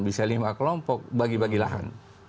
bisa lima kelompok bagi bagi lahan